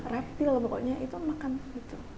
reptil pokoknya itu makan gitu